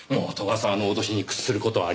沢の脅しに屈する事はありません。